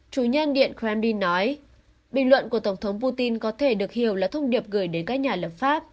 chủ nhân điện kremlin nói bình luận của tổng thống putin có thể được hiểu là thông điệp gửi đến các nhà lập pháp